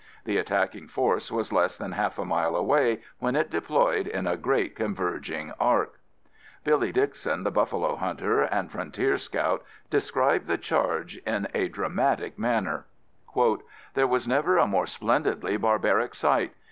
The attacking force was less than half a mile away when it deployed in a great converging arc. Billy Dixon, the buffalo hunter and frontier scout described the charge in a dramatic manner: "There was never a more splendidly barbaric sight.